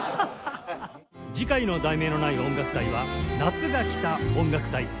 次回の『題名のない音楽会』は「夏が来た音楽会」